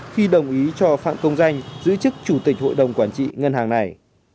khi đồng ý cho phạm công danh giữ chức chủ tịch hội đồng quản trị ngân hàng này